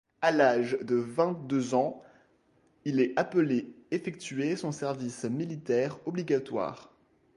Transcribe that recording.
A l'âge de vingt-deux ans il est appelé effectuer son service militaire obligatoire.